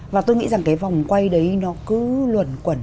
và tôi nghĩ rằng cái vòng quay đấy nó cứ luẩn quẩn